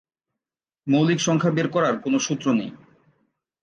মৌলিক সংখ্যা বের করার কোন সূত্র নেই।